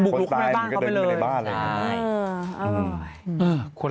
คนตายก็เดินไปในบ้าน